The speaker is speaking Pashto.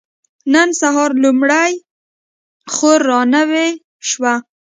نن سهار لومړۍ خور را نوې شوه.